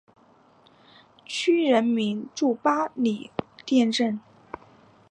区人民政府驻八里店镇。